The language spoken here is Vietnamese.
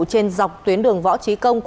trên dọc tuyến đường võ trí công